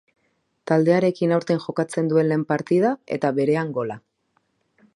Taldearekin aurten jokatzen duen lehen partida, eta berean gola.